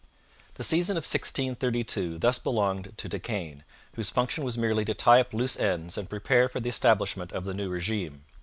The season of 1632 thus belonged to De Caen, whose function was merely to tie up loose ends and prepare for the establishment of the new regime.